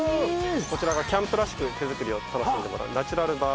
こちらがキャンプらしく手作りを楽しんでもらう。